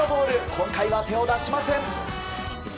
今回は手を出しません。